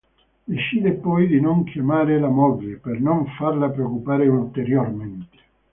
Decide poi di non chiamare la moglie, per non farla preoccupare ulteriormente.